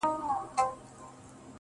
د خدای د بُتپرستو د شرابو ميکده ده,